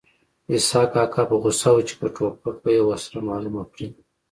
اسحق کاکا په غوسه و چې په ټوپک به یې ورسره معلومه کړي